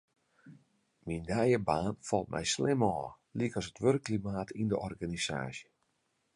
Myn nije baan falt my slim ôf, lykas it wurkklimaat yn de organisaasje.